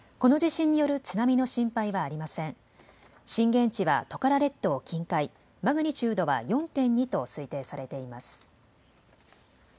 震源地はトカラ列島近海、マグニチュードは４．２と推定されています。